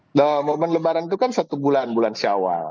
nah momen lebaran itu kan satu bulan bulan syawal